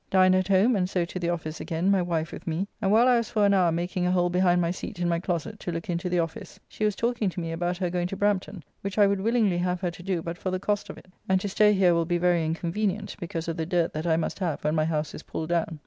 Dined at home, and so to the office again, my wife with me, and while I was for an hour making a hole behind my seat in my closet to look into the office, she was talking to me about her going to Brampton, which I would willingly have her to do but for the cost of it, and to stay here will be very inconvenient because of the dirt that I must have when my house is pulled down.